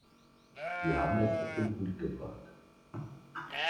Sie haben es auf den Punkt gebracht!